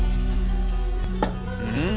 うん。